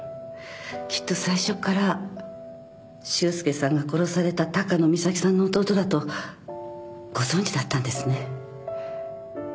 きっと最初っから修介さんが殺された高野美咲さんの弟だとご存じだったんですね？